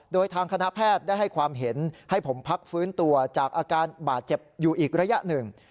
โดยทางคณะแพทย์ได้ให้ความเห็นให้ผมพักฟื้นตัวจากอาการบาดเจ็บอยู่อีกระยะหนึ่ง